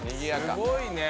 すごいね。